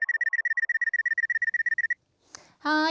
はい！